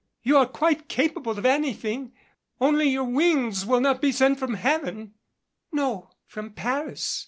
You are quite capable of anything )nly your wings will not be sent from Heaven "No from Paris.